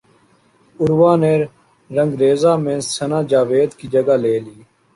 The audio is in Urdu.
عروہ نے رنگریزا میں ثناء جاوید کی جگہ لے لی